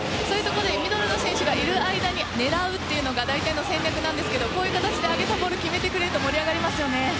ミドルの選手がいる間に狙うというのが大体の戦略なんですがこういう形で上げたボールを決めてくれると盛り上がりますよね。